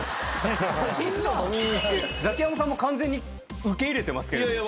ザキヤマさんも完全に受け入れてますけど。